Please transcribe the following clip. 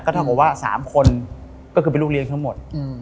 เท่ากับว่า๓คนก็คือเป็นลูกเลี้ยงทั้งหมด